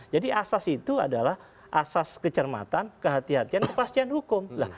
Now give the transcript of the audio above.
jadi asas itu adalah asas kecermatan kehatian kepastian hukum